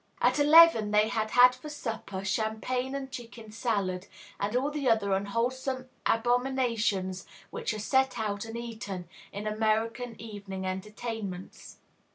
At eleven they had had for supper champagne and chicken salad, and all the other unwholesome abominations which are set out and eaten in American evening entertainments.